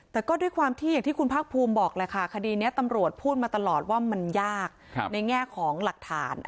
แต่ก็ด้วยความที่อย่างที่คุณภาคภูมิบอกแหละค่ะคดีนี้ตำรวจพูดมาตลอดว่ามันยากในแง่ของหลักฐาน